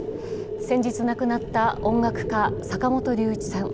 先日亡くなった音楽家、坂本龍一さん。